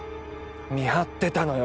見張ってたのよ